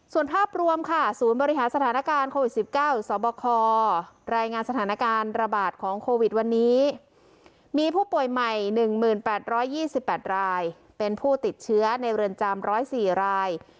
ส่วนภาพรวมค่ะศูนย์บริหารสถานการณ์โควิดสิบเก้าสวบคอ